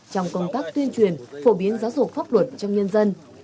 trong công tác tuyên truyền phổ biến giáo dục pháp luật trong nhân dân